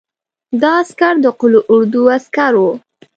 دا عسکر د قول اردو عسکر وو.